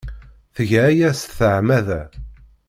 Tga aya s tmeɛmada.